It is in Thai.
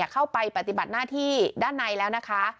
ปฏิบัติหน้าที่ด้านในแล้วนะคะ